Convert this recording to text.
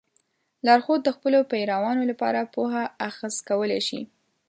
لارښود د خپلو پیروانو لپاره پوهه اخذ کولی شي.